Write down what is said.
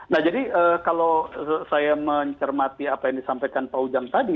nah jadi kalau saya mencermati apa yang disampaikan pak ujang tadi